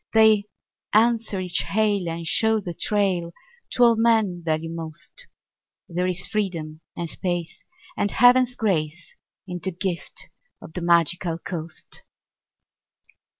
They answer each hail and show the trail To all men value most. There is freedom and space and Heaven's grace In the gift of the Magical Coast.